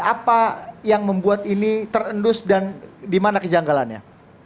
apa yang membuat ini terendus dan dimana kejanggalannya